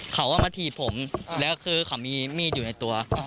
เขาเอามาถีบผมแล้วคือเขามีมีดอยู่ในตัว